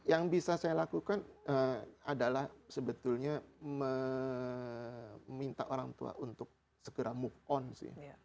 yang bisa saya lakukan adalah sebetulnya meminta orang tua untuk segera move on sih